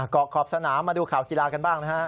กรอกขอบสนามาดูข่าวกีฬากันบ้าง